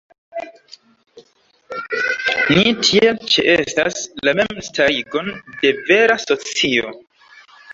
Ni tiel ĉeestas "la mem-starigon de vera socio".